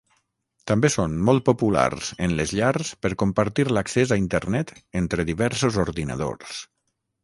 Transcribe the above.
També són molt populars en les llars per compartir l'accés a Internet entre diversos ordinadors.